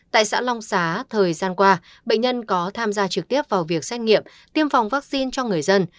tại xã long xá thời gian qua bệnh nhân có tham gia trực tiếp vào việc xét nghiệm tiêm phòng vaccine cho người dân